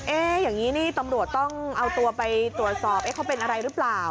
อย่างนี้นี่ตำรวจต้องเอาตัวไปตรวจสอบเขาเป็นอะไรหรือเปล่า